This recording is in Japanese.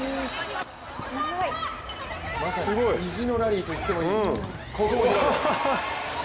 まさに意地のラリーと言ってもいい。